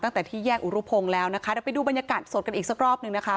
ตั้งแต่ที่แยกอุรุพงศ์แล้วนะคะเดี๋ยวไปดูบรรยากาศสดกันอีกสักรอบหนึ่งนะคะ